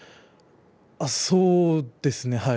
そうですね、はい。